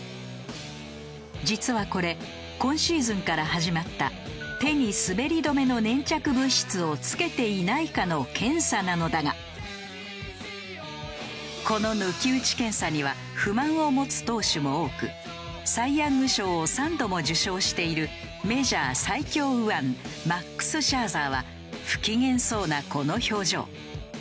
実はこれ今シーズンから始まった手に滑り止めの粘着物質を付けていないかの検査なのだがこの抜き打ち検査には不満を持つ投手も多くサイ・ヤング賞を３度も受賞しているメジャー最強右腕マックス・シャーザーは不機嫌そうなこの表情。